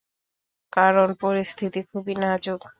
কারন, পরিস্থিতি খুবই নাজুক।